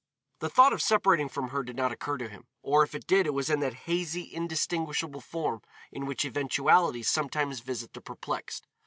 _ The thought of separating from her did not occur to him, or if it did it was in that hazy indistinguishable form in which eventualities sometimes visit the perplexed.